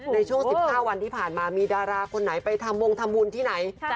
ในช่วง๑๕วันที่ผ่านมามีดาราคนไหนไปทำวงทำบุญที่ไหน